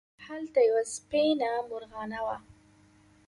هلته یوه سپېنه مرغانه وه.